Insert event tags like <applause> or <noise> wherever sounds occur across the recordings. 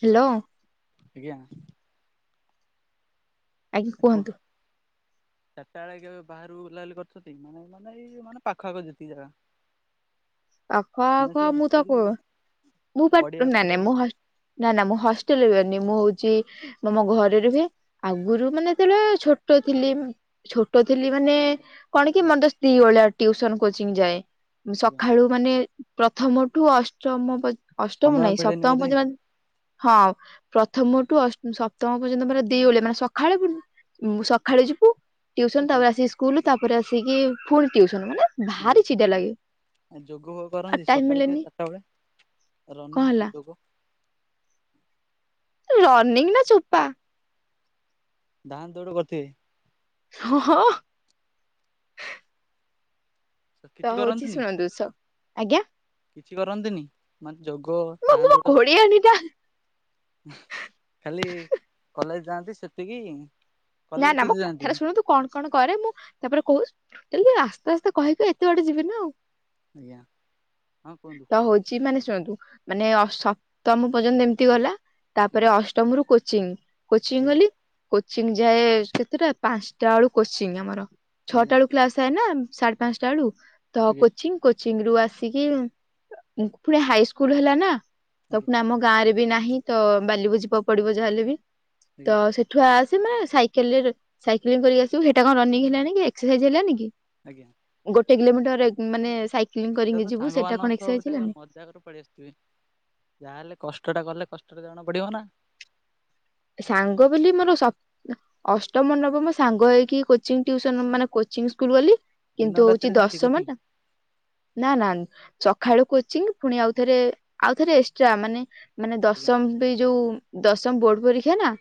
Hello. ଆଜ୍ଞା। ଆଜ୍ଞା <unintelligible> କୁହନ୍ତୁ ଚାରିଟା ବେଳେ କେବେ ବାହାରୁ ଉଲା ଉଲି କରିଚନ୍ତି ମାନେ ମାନେ ଏଇ ମାନେ ପାଖ ଆଖ ଯେତିକି ଜାଗା? ପାଖ ମାନେ ଆଖ ସେ ମୁ ତ କୋ ହଷ୍ଟେଲରୁ ମୁଁ ପା ପଡିଆ ନାଇଁ ଫଡିଆ ନାଇଁ କି ମୁଁ ହସ୍ ନା ନା ମୁଁ ହଷ୍ଟେଲରେ ରୁହେନି ମୁଁ ହଉଚି ମୁଁ ଆମ ଘରେ ରୁହେ ଆଗୁରୁ ମାନେ ତେଳେ ଛୋଟ ଥିଲି ଛୋଟ ଥିଲି ମାନେ କଣ କି ମନ୍ଦ ସ୍ତ୍ରୀ ଭଳିଆ ଟିଉସନ୍, କୋଚିଂ ଯାଏ। ଆଜ୍ଞା ଖାଳୁ ମାନେ ପ୍ରଥମଠୁ ଅଷ୍ଟମ ପଜ୍ ଅଷ୍ଟମ ସମୟ ନାଇଁ ମିଳେନି ସପ୍ତମ ବୋଧେ ପର୍ଯ୍ୟନ୍ ହଁ ପ୍ରଥମ ଟୁ ଅସ୍ ସପ୍ତମ ପର୍ଯ୍ୟନ୍ତ ମାନେ ଦି ଓଳିଆ ମାନେ ସଖାଳେ ପୁନ୍ ଉୁଁ ସଖାଳେ ଯିବୁ ଟିଉସନ୍ ଆଜ୍ଞା ତାପରେ ଆସିକି ସ୍କୁଲ ତାପରେ ଆସିକି ଫୁଣି ଟିଉସନ୍ ମାନେ ଆଜ୍ଞା ଭାରି ଚିଡା ଲାଗେ। ଯୋଗ ଆଉ କରନ୍ତି ଟାଇମ ସକାଳେ କେ, ମିଳେନି ଚାଟା ବେଳେ କଣ ରନି ହେଲା ଯୋଗ ରନିଂ ନା ଚୋପା। ଧାଁ, ଦୌଉଡ଼ କରିଥିବେ। ହ ହଁ। ତ କିଛି ହଉଛି କରନ୍ତିନି, ଶୁଣନ୍ତୁ ସ ଆଜ୍ଞା କିଛି କରନ୍ତିନି? ମାନେ ଯୋଗ ମୋ ମୋ ତାନ୍, ଦୋଡ଼? ଘୋଡିଆଣୀ ଟା ଖାଲି କଲେଜ ଯାଆନ୍ତି ସେତିକି? ନା କଲେଜ ନା ମୋ କିଛି ଯାଆନ୍ତି କଥାଟା ଶୁଣନ୍ତୁ। କଣ କଣ କରେ ମୁଁ ତାପରେ କହୁ ସ୍ <unintelligible> ଆସ୍ତେ ଆସ୍ତେ କହିକି ଏତେ ବାଟ ଯିବିନା ଆଉ। ଆଜ୍ଞା ହଁ କୁହନ୍ତୁ ତ ହଉ ଚି ମାନେ ଶୁଣନ୍ତୁ ମାନେ ଅସ୍ ସପ୍ତମ ପର୍ଯ୍ୟନ୍ତ ଏମତି ଗଲା ଆଜ୍ଞା ତାପରେ ଅଷ୍ ଟମ୍ କୋଚିଂ କୋଚିଂ ଆଜ୍ଞା ଗଲି କୋଚିଂ ଯାଏ ସେତଟା ପାନ୍ସାଟା ବେଳୁ କୋଚିଂ ଆମର ଆଜ୍ଞା ଛଅଟା ଏଳୁ କ୍ଲାସ୍ ଥାଏନା ସାଡ୍ ପାଞ୍ଚଟା ଏଳୁ ତ ଆଜ୍ଞା କୋଚିଂ କୋଚିଂ ରୁ ଆସିକି ଫୁଣି ହାଇସ୍କୁଲ ହେଲା ନା ତ ଆଜ୍ଞା ପ୍ ନାମ ଗାଁରେ ବି ନାହିଁ ତ ବାଲିିବୁ ଯିବାକୁ ପଡିବ ଯାହା ହେଲେ ବି ଆଜ୍ଞା ତ ସେଠୁ ଆସି ମାନେ ସାଇକେଲ ରେ ସାଇକେଲିଂ କରିକି ଆସିବୁ ସେଇଟା କଁ ରନିଂ ହେଲାନି କି ଏକ୍ସସାଇଜ୍ ହେଲାନି କି? ଆଜ୍ଞା। ଗୋଟେ କିଲୋମିଟର ଏ ମାନେ ସାଇ ସେ ତ ଛାଙ୍ଗ ମାନଙ୍କ ସହ ଗୋଟେ ମଜାକରେ ପଳେଇ ଆସତିବି। ଯାହାହେଲେ କଷ୍ଟଟା କଲେ କଷ୍ଟଟା ଜାଣା ପଡିବ ନା। ସାଙ୍ଗ ବୋଲି ମୋର ସ ଅଷ୍ଟମ ନବମ ସାଙ୍ଗ ହେଇକି କୋଚିଂ ଟିଉସନ ମାନେ କୋଚିଂ ସ୍କୁଲ ଗଲି। ଦିନ କିନ୍ତୁ ହୋଉଚି ରାତିରେ ଯାଆନ୍ତି କୋଚିଂ ଦଶମଟା ନା ନା ଚଖାଳୁ କୋଚିଂ ପୁଣି ଆଉ ଥରେ ଆଉଥରେ ଏକ୍ସଟ୍ରା ମାନେ ମାନେ ଆଜ୍ଞା ଦଶମ ବି ଯୋଉ ଦଶମ ବୋର୍ଡ ପରୀକ୍ଷା ନା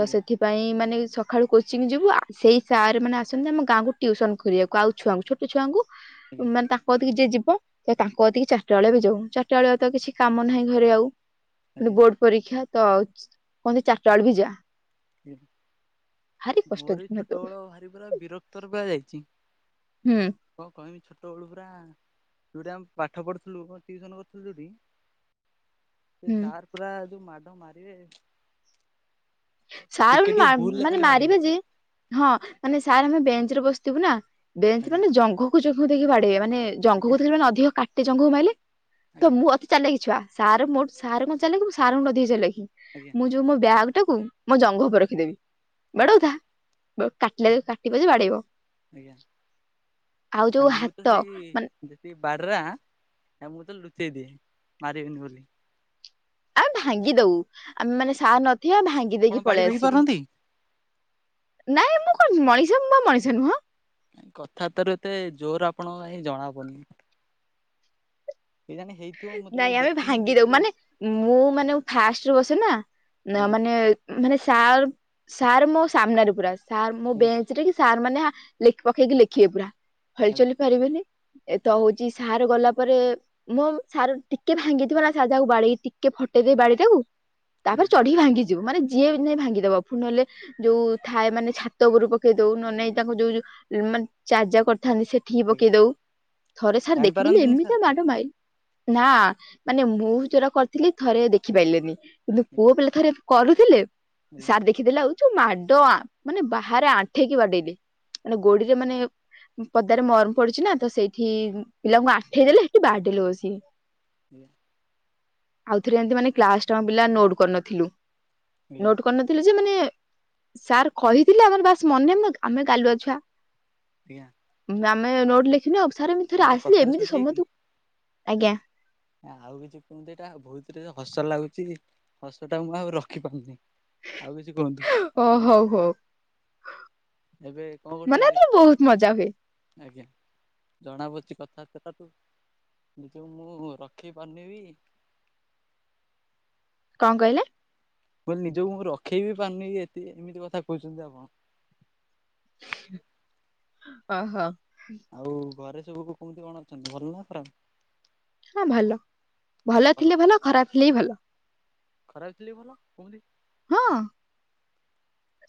ତ ସେଥି ପାଇଁ ମାନେ ସକାଳୁ କୋଚିଂ ଯିବୁ ଆ ସେଇ ସାର୍ ମାନେ ଆସନ୍ତି ଆମ ଗାଁକୁ ଟ୍ୟଉସନ କୋଲିବାକୁ ଆଉ ଛୁଆଙ୍କୁ ଛୋଟ ଛୁଆଙ୍କୁ ଆଜ୍ଞା ମାନେ ତା କତିକି ଯିଏ ଯିବ ତ ତାଙ୍କ କତିକି ଚାରିଟାଳେ ବି ଯାଉ ଚାରିଟା ବେଳିଆ ତ କିଛି କାମ ନାହିଁ ଘରେ ଆଉ। ଏ ଆଜ୍ଞା ବୋର୍ଡ ପରୀକ୍ଷା ତ କୁହନ୍ତି ଚାରିଟା ବେଳ ବି ଯା। ଭାରି କଷ୍ଟ ମୋର ବି ଜୀବନ ସେତେବେଳେ ଛୋଟବେଳ ଭାରି ପୁରା ବିରକ୍ତର ପୂଆ ଯାଇଚି। ହୁଁ! କଁ କହିବି ଛୋଟବେଳୁ ପୁରା ଯେଉଟା ଆମେ ପାଠ ପଢ଼ୁଥିଲୁ ଟିଉସନ କରିଥିଲୁ ଯୋଉଠି <inaudible> ସେ ସାର୍ ପୁରା ଯୋଉ ମାଡ ମାରିବେ ଛାର୍ ଟିକେ ମା ଟିକେ ଭୁଲରେ ମାନେ ଖାଲି ମାରିବେ ଯେ ହଁ ମାନେ ସାର୍ ଆମେ ବେଞ୍ଚ ରେ ବସିଥିବୁ ନା ବେଞ୍ଚ ଆଜ୍ଞା ମାନେ ଜଙ୍ଘକୁ ଜଙ୍ଘ ଦେଇକି ବାଡେଇବେ ମାନେ ଜଙ୍ଘ କୁ ଆଜ୍ଞା ନଧିଲେ ମାନେ ଅଧିକ କାଟେ ଜଙ୍ଘକୁ ମାଇଲେ ତ ଆଜ୍ଞା ମୁଁ ଅ ଚାଲେକି ଛୁଆ ସାର ମୋ ସାର୍ କଣ ଚାଲେ କି ମୁଁ ସାରଙ୍କଠୁ ଅଧିକ ଚାଲେକ୍। ଆଜ୍ଞା! ମୁଁ ଯୋଉ ମୋ ବ୍ୟାଗ୍ ଟାକୁ ମୋ ଜଙ୍ଘ ଉପ ରଖିଦେବି ଆଜ୍ଞା ବାଡ଼ଉଥା! କାଟିଲେ ଯୋ କାଟିବ ଯ ବାଡ଼େଇବ ଆଜ୍ଞା ଆଉ ଆ ଯୋଉ ମୁଁ ତ ହାତ ସେଇ ମାନେ ଯେତିକି ବାଡ୍ରା ଆ ମୁଁ ତ ଲୁଚେଇ ଦିଏ ମାରିବେନି ବୋଲି! ଆ ଭାଙ୍ଗି ଦଉ ଆମେ ମାନେ ସାର ନଥିବେ ଭାଙ୍ଗି ଆପଣ ଦେଇକି ବାଡି ପଳେଇ ଭାଙ୍ଗି ଆସିବୁ! ପାରନ୍ତି ନାଇଁ ମୁଁ କ ମଣିଷ ମୁଁ ବା ମଣିଷ ନୁହଁ! କଥା ତୋର ଏତେ ଜୋର ଆପଣଙ୍କ କାହିଁ ଜଣା ପଡ଼ୁନି! କେଜାଣି ହେଇ ନାଇଁ ଆମେ ଭାଙ୍ଗିଦଉ ମାନେ ମୁଁ ମାନେ ଉ ଫାଷ୍ଟରେ ବସେ ନା ନ ଆଜ୍ଞା ମାନେ ମାନେ ସାର୍ ସାର୍ ମୋ ସାମ୍ନାରେ ପୁରା ସାର୍ ମୋ ଆଜ୍ଞା ବେଞ୍ଚ ରେ କି ସାର୍ ମାନେ ଆ ଲେଖ ପକେଇକି ଲେଖିବେ ପୁରା ହଲ୍ ଆଜ୍ଞା ଚଲି ଲି ପାରିବେନି ଏ ତ ହଉଛି ସାର ଗଲା ପରେ ମୋ ସାର ଟିକେ ଭାଙ୍ଗିଥିବ ନା ସାର୍ ଯାକୁ ବାଡିଇ ଟିକେ ଫଟେଇଦେ ବାଡି ଟାକୁ ତାପରେ ଆଜ୍ଞା ଚଢିକି ଭାଙ୍ଗିଯି ଯ ମାନେ ଯିଏ ନାଇଁ ଭାଙ୍ଗିଦବ ଫୁନଲେ ଯୋଉ ଥାଏ ମାନେ ଛା ତରୁ ପକେଇ ଦଉ ନ ନାଇଁ ତାଙ୍କୁ ଯୋଉ ଯୋଉ ମାନେ ଚାଜା କରିଥାନ୍ତି ସେ ଠିକି ଆଜ୍ଞା ପକେଇ ଦଉ ଥରେ ସାର୍ ଦେଖିଦିଲେ ଜାଣିପାରନ୍ତିନି ସାର୍ ଏମିତିଆ ମାଡ ମାଇ ନା ମାନେ ମୁଁ ଯୋରା କରିଥିଲି ଥରେ ଦେଖିପାଇଲେ ନି କିନ୍ତୁ ଆଜ୍ଞା ପୁଅ ପିଲା ଥରେ କରୁଥିଲେ ଆଜ୍ଞା ସାର୍ ଦେଖିଦେଲେ ଆଉ ଯୋଉ ମାଡ ମାନେ ବାହାରେ ଆଣ୍ଠେଇକି ବାଡେଇଲେ! ମାନେ ଗୋଡିରେ ମାନେ ପଦାରେ ମରମ ପଡୁଛି ନା ତ ସେଇଠି ପିଲାଙ୍କୁ ଆଠେଇ ଦେଲେ ସେଠି ବାଡ଼େଇ ଲେ ବସି ନିଆ ଆଉଥରେ ଏମତି ମାନେ କ୍ଲାସ ଟାମ ପିଲା ନୋଟ କରିନଥିଲୁ ଆଜ୍ଞା ନୋଟ୍ କରିନଥିଲେ ଯେ ମାନେ ସାର୍ କହିଥିଲେ ଆମର ବାସ୍ ମନେ ଆମେ ଗାଲୁଆ ଛୁଆ ଆଜ୍ଞା। ଆମେ ନୋଟ ଲେଖିନୁ ଆଉ ସାର ଆଉ ଥରେ ଗୋଟେ ଆସିଲେ କଥାରେ ଏମିତି ଶୁଣିବେ କି ସମସ୍ତୁ ଆଜ୍ଞା। ଆଉ କିଛି କୁହନ୍ତିଏଇଟା ବହୁତ ରେ ହସ ଲାଗୁଛି ହସ ଟା ମୁଁ ଆଉ ରଖି ପାରୁନି! ଆଉ କିଛି କୁହନ୍ତୁ? ଓ ହଉ ହଉ ଏବେ କଣ ମାନେ କରୁଛନ୍ତି ଏଠି ବହୁତ ମଜା ହୁଏ। ଆଜ୍ଞା ଜଣାପଡୁଛି କଥା ବାର୍ତ୍ତା ତାକୁ ନିଜ କୁ ମୁଁ ରଖି ପାରୁନିବି କଣ କହିଲେ? କୋଇ ନିଜକୁ ମୁଁ ରଖେଇ ବି ପାରୁନି, ଏତେ ଏମିତି କଥା କହୁଛନ୍ତି ଆପଣ। ଅହୋ ଆଉ ଘରେ ସବୁକୁ କେମିତି କଣ ଅଛନ୍ତି ଭଲ ନାଁ ଖରାପ। ହ ଭଲ ଭଲ ଥିଲେ ଭଲ ଖରାପ ଥିଲେ ହି ଭଲ। ଖରାଥିଲେ ବି ଭଲ, କେମିତି? ହଁ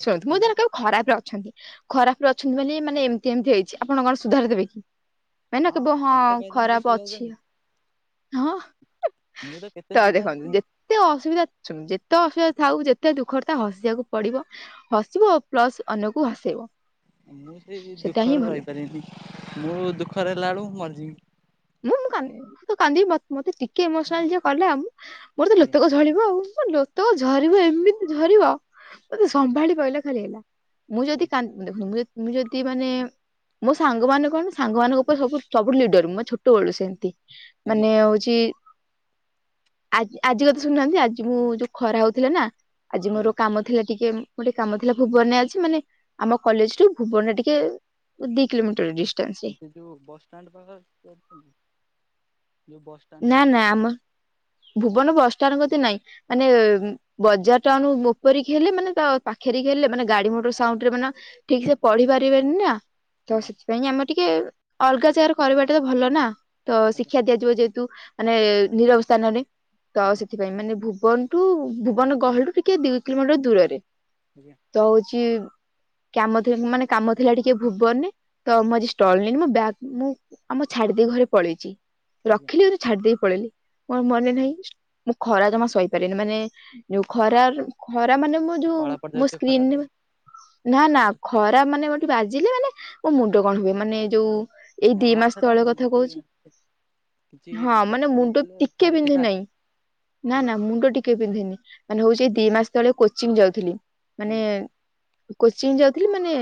ଶୁଣନ୍ତୁ ମୁଁ ଜଣକୁ କୁହନ୍ତି କହିବି ଖରାପରେ ଅଛନ୍ତି ଖରାପ ରେ ଅଛନ୍ତି ବୋଲି, ମାନେ ଏମିତି ଏମିତି ହେଇଛି, ଆପଣ କଣ ସୁଧାର ଦେବେ କି? ମାନେ କେବେ ହଁ ମତେ କହିଲେ ମୁଁ ବି ଖରାପ ସୁଧାରି ଅଛି। ଦେମି ହଁ ମୁଁ କେତେ ତ ଦେଖନ୍ତୁ ସୁଧାରିଛି ଯେ ଯେତେ ଅସୁବିଧା, ଶୁଣ ଯେତେ ଅସୁବିଧା ଥାଉୁ, ଯେତେ ଦୁଃଖରେ ଥାଉ ତ ହସିବାକୁ ପଡିବ ହସିବ ପ୍ଲସ୍ ଅନ୍ୟକୁ ହସେଇବ। ମୁଁ ସେଇ ସେଟା ହିଁ ଦୁଃଖରେ ଭଲ ରହିପାରିବିନି, ମୁଁ ଦୁଃଖରେ ହେଲା ବେଳୁକୁ ମରିଯିବି। ମୁଁ, ମୁଁ କାନ୍ଦିବି, ମୁଁ ତ କାନ୍ଦି ମତେ ଟିକେ ଇମୋସନାଲ୍ ଯିଏ କଲା ମୋର ତ ଆଜ୍ଞା ଲୋତକ ଝରିବ ଆଉ। ମୋ ଲୋତକ ଝରିବ, ଏମିତି ଝରିବ, ମତେ ସମ୍ଭାଳି ପାରିଲେ ଖାଲି ହେଲା। ମୁ ଯଦି କାନ୍ଦ ଦେଖନ୍ତୁ ମୁଁ, ମୁଁ ଯଦି ମାନେ, ମୋ ସାଙ୍ଗମାନେ କଣ ସାଙ୍ଗ ମାନଙ୍କ ଉପରେ ସବୁ ଲିଡର ମୁଁ ଛୋଟ। ଛୋଟ ବେଳୁ ସେମତି, ମାନେ ଆଜ୍ଞା ହଉଛି ଆ, ଆଜି କଥା ଶୁଣୁନାହାନ୍ତି। ଆଜି ମୁଁ ଯୋଉ ଖରା ହଉଥିଲା ନା ଆଜି ମୋର ଆଜ୍ଞା କାମ ଥିଲା ଟିକେ, ଗୋଟେ କାମ ଥିଲା, ଭୁବନରେ ଆଜି ମାନେ, ଆମ କଲେଜ ଠୁ ଭୁବନରେ ଟିକେ ଦି କିଲୋମିଟର୍ ଡିଷ୍ଟାନ୍ସ। ରେ ଆଜ୍ଞା ସେ ଯୋଉ ବସ୍ ଷ୍ଟାଣ୍ଡ ପାଖରେ ଯ ଅଛନ୍ତି? ନା ନା ଆମ, ଭୁବନ ବସ୍ ଷ୍ଟାଣ୍ଡ କତିରେ ନାହିଁ ମାନେ ବଜାର ଟାଉନ୍ ଉପରିକି ହେଲେ, ମାନେ ତା ପାଖରେ କି ହେଲେ, ମାନେ ଗାଡି ମଟର ସାଉଣ୍ଡରେ ମାନ ଠିକ୍ ସେ ପଢି ପାରିବେନି ନା? ତ ଆଜ୍ଞା ସେଥିପାଇଁ ଆମେ ଟିକେ, ଅଲଗା ଜାଗାରେ କରିବାଟା ତ ଭଲ ନା, ତ ଆଜ୍ଞା ଶିକ୍ଷା ଦିଆଯିବ ଯେହେତୁ। ତୁ ମାନେ, ନିରବ ସ୍ଥାନରେ ତ ଆଜ୍ଞା ସେଥି ମାନେ ଭୁବନ ଠୁ, ଭୁବନ ଗହଳି ଠୁ, ଟିକେ ଦୁଇ କିଲୋମିଟର ଦୂରରେ। ଆଜ୍ଞା। ତ ହଉଛି, କାମଥିଲା, ମାନେ କାମ ଥିଲା ଟିକେ ଭୁବନରେ। ତ ମୁଁ ଆଜି ଷ୍ଟଲ୍ ନେଇନି, ମୋ ବ୍ୟାଗ୍ ମୁଁ, ଆମ ଛାଡି ଦେଇ ଘରେ ପଳେଇଛି। ଆଜ୍ଞା। ରେ ଛାଡି ଦେଇ ପଳେଇଲି। ମୋର ମନେ ନାହିଁ ମୁଁ ଖରା ଜମା ସାହିପାରେନି, ମାନେ ଯୋଉ ଖରା ଖରା ମାନେ ମୁ ଉ ଆଉ ଯୋଉ କଳା ମୋ ପଡିଯାଉଥିବ ସ୍କ୍ରିନ୍ ଖରାରେ ରେ ପା ନା ନା ଖରା ମାନେ ଗୋଟେ, ବାଜିଲେ ମାନେ, ମୋ ମୁଣ୍ଡ କଣ ହୁଏ ମାନେ ଯୋଉ ଏଇ ଦି ହଁ ମାସ ସେଟା ତଳ ମୁଣ୍ଡ କଥା ଟେ କହୁଛି। କିଛି ହଁ, ମାନେ ଲକ୍ଷଣ ମୁଣ୍ଡ ଥିଲେ ଟିକେ ବାହାରେ ବିନ୍ଧେ ସେଟା ନାହିଁ, ନା ଆଜ୍ଞା ନା ମୁଣ୍ଡ ଟିକେ ଟିକେ ବିନ୍ଧେନି, ମାନେ ହଉଛି ଦି ମାସ ତଳେ କୋଚିଂ ଯାଉଥିଲି, ମାନେ ଆଜ୍ଞା କୋଚିଂ ଯାଉଥିଲି ମାନେ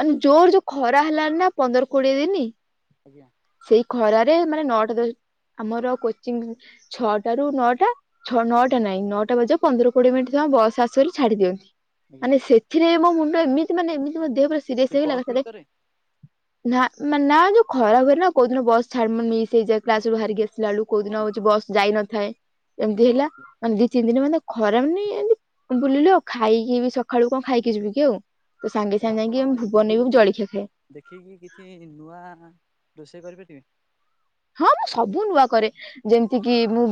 ମାନେ ଜୋର୍ ଯୋଉ ଖରା ହେଲାନି ନା ପନ୍ଦର କୋଡିଏ ଦିନ ଆଜ୍ଞା। ସେଇ ଖରାରେ ମାନେ ନଅଟା ଦସ୍ ଆମର କୋଚିଂ ଛଅଟା ରୁ ନଅଟା। ଛଅ ଆଜ୍ଞା ନଅଟା ନାଇଁ ନଅଟା ବାଜିବାକୁ ପନ୍ଦର କୋଡିଏ ମିନିଟ୍ ଥିବ ଆମ ବସ୍ ଆସିବ ବୋଲି ଛାଡି ଦିଆ ଯାଉଛି। ଆଜ୍ଞା ମାନେ ସେ ସେଥିରେ ମୋ ମୁଣ୍ଡ ଏମିତି ମାନେ ଏମିତି ମୋ ଦେହ ପୁରା ସେ ସିରିୟସ୍ ହେଇଗଲା ବସ୍ ଏକାଥରେ। ଭିତରେ ନା ମାନେ ନା ଯୋଉ ଖରା ହୁଏ ନା କୋଉ ଦିନ ବସ୍ ଛାଡ ମାନେ ମିଶ୍ ହେଇଯାଏ। କ୍ଲାସ୍ ରୁ ବାହାରିକି ଆସି ଆସିଲା ବେଳକୁ କୋଉ ଦିନ ହଉଚି ବସ୍ ଯାଇନଥାଏ। ଏମିତି ହେଲା ମାନେ ତିନି ଦିନ ମାନେ ଖରା ମାନେ ଏମିତି ବୁଲିଲୁ ଆଉ। ଖାଇକି ସକାଳୁ କଣ ଖାଇକି ଯିବି କି ଆଉ। ତ ସାଙ୍ଗେ ଯେ ସାଙ୍ଗେ ଆପଣ ଯାଇକି ଭୁବନରେ ବି ୟୁଟ୍ୟୁବରୁ ଜଳିଖିଆ ଖାଏ। ଦେଖିକି କିଛି ନୂଆ ରୋଷେଇ କରି ପାରିବେ। ହଁ ମୁଁ ସବୁ ନୂଆ କରେ। ଯେମିତି କି ମୁଁ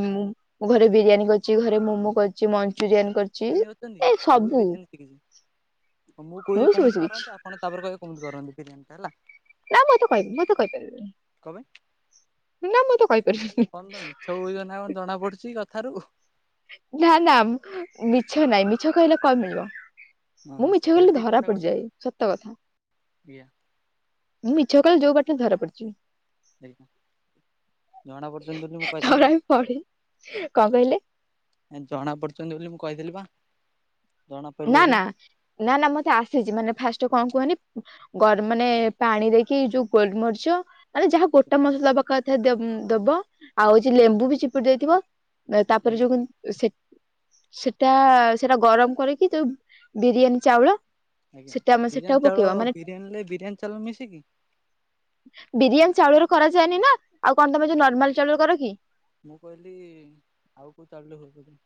ଘରେ ବିରିୟାନୀ କରିଛି। ଘରେ ମୋମୋ କରିଛି। ମଞ୍ଚୁରିଆନ୍ କରିଛି। ନ ଅଛନ୍ତି ଏ ମୁଁ ବି ସବୁ ବିଧାନ ଶଖିଛି। ମୁଁ କହୁଛି ସବୁ କେମିତି ଶିଖିଛି କରନ୍ତି? ଆପଣ ତାପରେ କହିବେ କେମିତି କରନ୍ତି ବିରିୟାନୀ ଟା ହେଲା। ନା ମୁଁ ଏତେ କହିବି ମୁଁ ଏତେ କହିପାରିବିନି। କ ପାଇଁ? ନା ମତେ କହିପାରିବିନି କଣ ତ ମିଛ କହୁଛ ନା କଣ ଜଣା ପଡୁଛି କଥାରୁ। ନା ନା ମିଛ ନାଇଁ। ମିଛ କହିଲେ କଣ ମିଳିବ? ମୁଁ ହଁ ମିଛ ସେଟା ବି କହିଲେ ଠିକ ଧରା କଥା ଗୋଟେ ପଡିଯାଏ ସତ କଥା। ଆଜ୍ଞା ମୁଁ ମିଛ କହିଲେ ଯୋଉ ବାଟିଆ ହେଲେ ଧରା ଆଜ୍ଞା ଜଣା ପଡୁଛନ୍ତି ବୋଲି ମୁଁ ପଡିଯିବି। କହିଥିଲି ଧରା ବା ବି ପଢେ କଣ କହିଲେ? ଜଣା ପଡୁଛନ୍ତି ବୋଲି ମୁଁ କହିଦେଲି ବା। ଜଣା ପଡିଲେ ନା ବୋଲି ନା ନା ନା ମତେ ଆସିଛି। ମାନେ ଫାଷ୍ଟ କଣ କୁହନି? ଗର ମାନେ ପାଣି ଦେଇକି ଯୋଉ ଗୋଲମରିଚ ଆରେ ଯାହା ଗୋଟା ମସଲା ପକାଯାଏ ଦେ ଦବ। ଆଉଚି ଆଜ୍ଞା ଲେମ୍ବୁ ବି ଚିପୁଡି ଦେଇଥିବ। ତାପରେ ଆଜ୍ଞା ଯୋଉ ସେଟା ସେଟା ଗରମ କରି କି ତୁ ବିରିୟାନୀ ଚାଉଳ ଆଜ୍ଞା ସେଟା ଆମେ ସେଟାକୁ ବିରିୟାନୀ ଚାଉଳ ପକେଇବା ମାନେ ବିରିୟାନୀରେ ବିରିୟାନୀ ଚାଉଳ ମିଶିକି। ବିରିୟାନୀ ଚାଉଳର କରାଯାଏନି ନା। ଆଉ କଣ ତମେ ଯୋଉ ନର୍ମାଲ ଚାଉଳରେ କର କି? ମୁଁ କହିଲି ଆଉ କୋଉ ଚାଉଳରେ ହୁଏ ବୋଲି।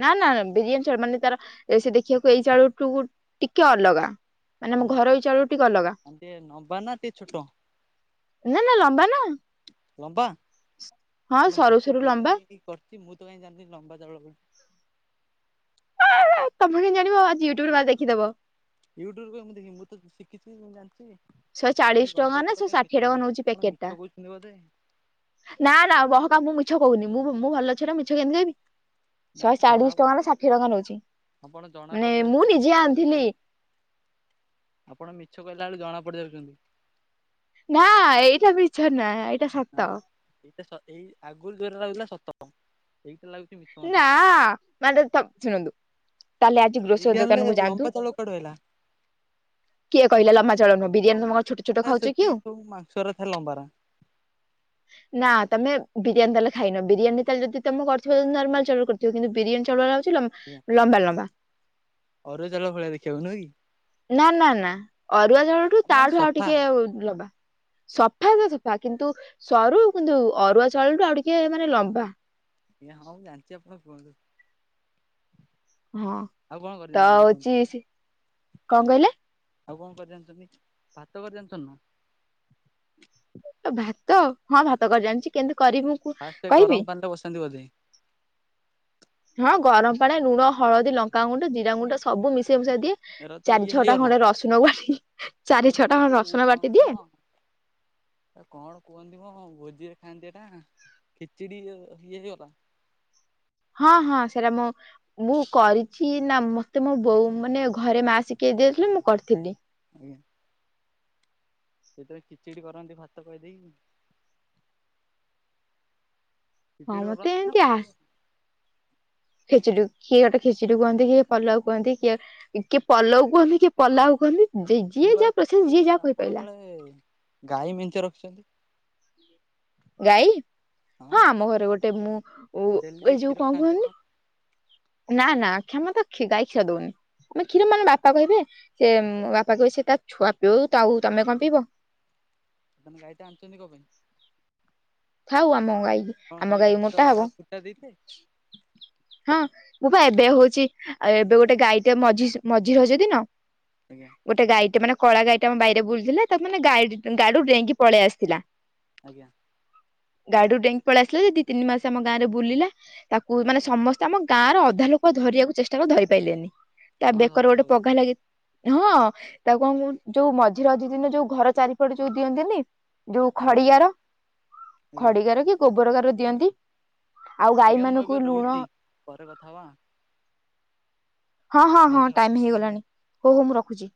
ନା ନା ବିରିୟାନୀ ଚାଳୁ ମାନେ ତାର ସେ ଦେଖିବାକୁ ଏଇ ଚାଉଳଠୁ ଟିକେ ଅଲଗା। ମାନେ ମୁଁ ଅଲଗା କୋଉ ଘରୋଇ ଚାଉଳଠୁ ଟିକେ ଅଲଗା। ମାନେ ଟିକେ ଲମ୍ବା ନା ଟିକେ ଛୋଟ ନା ନା ଲମ୍ବା ନା। ଲମ୍ବା ହଁ ମୁଁ ସରୁ ତ ସରୁ ଲମ୍ବା ବିରିୟାନୀ କରିଛି। ମୁଁ ତ କାହିଁ ଜାଣିିନି ଲମ୍ବା ଚାଉଳ ବୋଲି। ତମେ କେମିତି ଜାଣିବ? ଆଜି ୟୁଟୁବରେ ମାରି ଦେଖିଦବ। ୟୁଟ୍ୟୁବରୁ କାଇଁ ମୁଁ ଦେଖିବି। ମୁଁ ତ ଶିଖିଛି ମୁଁ ଜାଣିଛି। ଶହେ ସେ ଚାଳିଶ ଟଙ୍କା ଲମ୍ବା ନା ତଳ ଶହେ କାଇଁ ଷାଠିଏ ଟଙ୍କା କେତେନି ନଉଛି କଣ ପ୍ୟାକେଟ ଟା ମିଛ କହୁଛନ୍ତି ବୋଧେ। ନା ନା ବହକା ମୁଁ ମିଛ କହୁନି। ମୁଁ-ମୁଁ ଭଲ ଝିଅଟା ମିଛ କେମିତି କହିବି। ନା ଶହେ ଜଣା ଚାଳିଶି ଟଙ୍କା ନା ପଡୁଛି ଷାଠିଏ ଟଙ୍କା ନଉଛି। ଆପଣ ଜଣା ମାନେ ମୁଁ ନିଜେ ପଡିଯାଉଛି ଆଣିଥିଲି। <inaudible> ଆପଣ ମିଛ କହିଲା ବେଳେ ଜଣା ପଡି ଯାଉଛନ୍ତି। ନା ଏଇଟା ମିଛନାଁ ଏଇଟା ନା ସତ। ନା ଏଇଟା ସତ ଏଇ ଆଗରୁ ରଉଥିଲା ସତ। ଏଇତ ଲାଗୁଛି ମିଛ। ମତେ। ନା ମାନେ ତମ୍ ଶୁଣନ୍ତୁ। ତାହେଲେ ଆଜି ଗ୍ରୋସରୀ ବିରିୟାନୀରେ ଦୋକାନକୁ ଯାଆନ୍ତୁ। ଲମ୍ବା ଚାଉଳ କୁଆଡୁ ଆଇଲା? କିଏ କହିଲା ଲମ୍ବା ଚାଉଳ ନୁହଁ। ବିରିୟାନୀ ଲମ୍ବା ତମ ଛୋଟ ଛୋଟ ଥାଏ ଖାଉଛ ସେତିକି କିଓ। ସବୁ ମାଂସରା ଥାଏ ଲମ୍ବାରା ନା ତମେ ବିରିୟାନୀ ତାହେଲେ ଖାଇନ। ‌ ବିରିୟାନୀ ତାହେଲେ ଯଦି ତେମ କରିଥି ହୁଏ ନର୍ମାଲ ଚାଉଳରୁ କରିଥିବୁ କିନ୍ତୁ ବିରିୟାନୀ ଚାଉଳ ଟା ହଉଚି ଆଜ୍ଞା ଲମ୍ବା ଲମ୍ବା। ଅରୁଆ ଚାଉଳ ଭଳିଆ ଦେଖିବାକୁୁ ନୁହଁକି? ନା ନା ନା ଅରୁଆ ଚାଉଳ ଠୁ ଆପଣ ମାନେ ତାଠୁ ଆଉ ସଫା ଟିକେ ଆଉ ଲମ୍ବା। ସଫା ତ ସଫା କିନ୍ତୁ ସରୁ କିନ୍ତୁ ଅରୁଆ ଚଉଳ ଠୁ ଆଉ ଟିକେ ଲମ୍ବା। ଏହା ହଁ ମୁଁ ଜାଣିଚି ଆପଣ କୁହନ୍ତୁ? ହଁ ଆଉ କଣ କରି ତ ଜାଣିଛନ୍ତି କୁହନ୍ତୁ ହଉଚି ସେ କଣ କହିଲେ? ଆଉ କଣ କରି ଜାଣିଚନ୍ତି? ଭାତ କରି ଜାଣିଚନ୍ତି ନା ଅ ଭାତ ହଁ ଭାତ କରି ଜାଣିଚି କେମତି କରିବୁ? ଫାଷ୍ଟେ ଗରମ ପାଣିରେ ବସାନ୍ତି ବୋଧେ। ହଁ ଗରମ ପାଣି ରେ ଲୁଣ, ହଳଦୀ, ଲଙ୍କାଗୁଣ୍ଡ, ଜିରା ଗୁଣ୍ଡ ସବୁ ମିଶେଇ ମିଶାଇ ଦିଏ। ଏରା ତ ଚାରି ଇଏ ଛଅଟା ହେଇଗଲା ଖଣ୍ଡେ ରସୁଣ କୁ ବାଟି ଚାରି ଏରା ତ ଛଅଟା ରସୁଣ ବାଟି ଦିଏ। <inaudible> ଆ କଣ କୁହନ୍ତିମ ଭୋଜିରେ ଖାଆନ୍ତି ଏଇଟା ଖିଚିଡି ଇଏ ଯିଏ ହେଇଗଲା। ହଁ ହଁ ସେଇଟା ମୋ ମୁଁ କରିଛି ନା ମତେ ମୋ ବୋଉ ମାନେ ଘରେ ମା ଶିଖେଇ ଦେଇଥିଲେ ମୁଁ କରିଥିଲି। ଉଁ। ସେତବେଳେ ଖିଚିଡି କରନ୍ତି ଭାତ କହି ଦେଇକି? ଖିଚିଡ଼ି ର ଅରୁଆ ନା ଭାତ ର ଖେଚେଡି କିଏ ଏଟା ଖେଚେଡି କୁହନ୍ତି କିଏ ପଲାଉ କୁହନ୍ତି। କିଏ କିଏ ପଲଉ କୁହନ୍ତି କିଏ ପଲାଉ କୁହନ୍ତି ଯିଏ ଯାହା ପସନ୍ଦ ଯିଏ ଯାହା କହିପାଇଲା। ଏଇମ୍ ଗାଈ ମେଞ୍ଚେ ରଖିଛନ୍ତି। ଗାଈ ହଁ ଆମ ଘରେ ଗୋଟେ ମୁଁ ଙ ଡେଲି ଏ ଯୋଉ କ୍ଷୀର କଣ ଖାଆନ୍ତି କୁହନି ଆପଣ ନା ନା କ୍ଷ୍ୟମତା ଖି ଗାଈ କ୍ଷୀର ଦଉନି। ଆମେ କ୍ଷୀର ମାନେ ବାପା କହିବେ ସେ ବାପା କହିବେ ସେ ତା ଛୁଆ ପିଉ ତ ଆଉ ତମେ କଣ ପିଇବ? ତମେ ଗାଈଟା ଆଣିଚନ୍ତି କଣ ପାଇଁ? ଥାଉ ଆମ ଗାଈ କଣ ଆମ ଖାଲି ଗାଈ ଘାସ ମୋଟା ହବ ଆଉ କୁଟା ଦେଇଥିଲେ ହଁ। ମୁଁ ବା ଏବେ ହଉଚି ଆଉ ଏବେ ଗୋଟେ ଗାଈଟେ ମଝି ମଝି ରଜ ଦିନ ଆଜ୍ଞା। ଗୋଟେ ଗାଈଟେ ମାନେ କଳା ଗଈଟା ଆମ ବାଇରେ ବୁଲୁଥିଲା। ତାକୁ ମାନେ ଗାଇଡିଟେ ଗାଡିରୁ ଡେଇଁକି ପଳେଇ ଆସିଥିଲା। ଆଜ୍ଞା। ଗାଡିରୁ ଡେଇଁକି ପଳେଇ ଆସିଲି ଦି ତିନି ମାସ ଆମ ଗାଁରେ ବୁଲିଲା। ତାକୁ ମାନେ ସମସ୍ତେ ଆମ ଗାଁ ର ଅଧା ଲୋକ ଧରିବାକୁ ଚେଷ୍ଟା କଲେ ଧରି ପାଇଲେନି। ତା, ଆପଣ ବେକରେ ଧରିଦେଲେ ଗୋଟେ ବୋଧେ ପଘା ଲାଗି ହଁ, ତାକୁ କଣ କହୁନୁ ଯୋଉ ମଝି ରଜ ଦିନ ଯୋଉ ଘର ଚାରି ପଟେ ଯୋଉ ଦିଅନ୍ତି ନି ଯୋଉ ଆଜ୍ଞା ଖଡିୟା ର। ଆଜ୍ଞା ଖଡିଗାର କି ଗୋବର ଗାର ଦିଅନ୍ତି। ଆଉ ଗାଈ ଆଜ୍ଞା ମୁଁ ଏବେ ମାନଙ୍କୁ ରହୁଛି ଲୁଣ। ପରେ କଥା ହବା। ହଁ ହଁ ହଁ ଧନ୍ୟବାଦ। ଟାଇମ୍ ହେଇଗଲାଣି। ହଉ ହଉ ମୁଁ ରଖୁଚି।